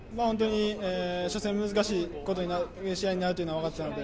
初戦難しい試合になるということは分かっていたので。